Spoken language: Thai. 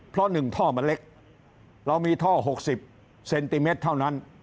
เพราะ๑ท่อมันเล็กเรามีท่อ๖๐เซนติเมตรเท่านั้น